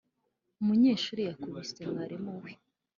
Umunyeshuri yakubise mwarimu we